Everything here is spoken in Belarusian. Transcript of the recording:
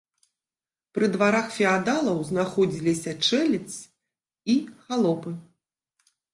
Пры дварах феадалаў знаходзіліся чэлядзь і халопы.